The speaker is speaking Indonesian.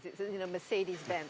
saya merasakan itu adalah mercedes benz